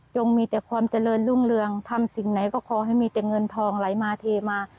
มีแต่ความเจริญรุ่งเรืองทำสิ่งไหนก็ขอให้มีแต่เงินทองไหลมาเทมา